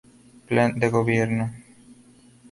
Plan de Gobierno